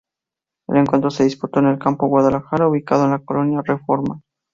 El encuentro se disputó en el Campo Guadalajara, ubicado en la colonia Reforma.